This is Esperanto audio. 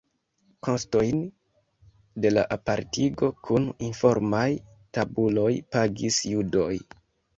Kostojn de la apartigo kun informaj tabuloj pagis judoj.